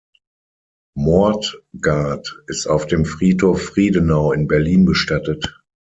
Moortgat ist auf dem Friedhof Friedenau in Berlin bestattet.